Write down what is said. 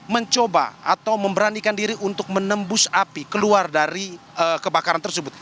mencoba atau memberanikan diri untuk menembus api keluar dari kebakaran tersebut